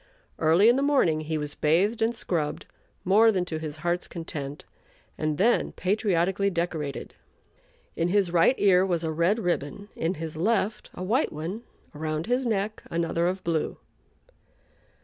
Early in the morning he was bathed and scrubbed, more than to his heart's content, and then patriotically decorated. In his right ear was a red ribbon, in his left a white one; around his neck another of blue.